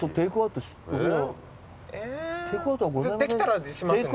できたらしますね。